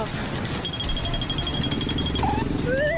อ้าวเห็นไปได้ไหม